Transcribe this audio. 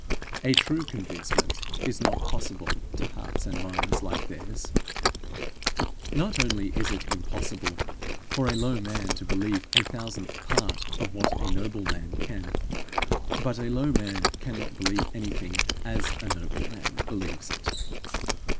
A true convincement is not possible to hearts and minds like theirs. Not only is it impossible for a low man to believe a thousandth part of what a noble man can, but a low man cannot believe anything as a noble man believes it.